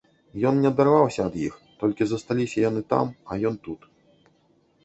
Ён не адарваўся ад іх, толькі засталіся яны там, а ён тут.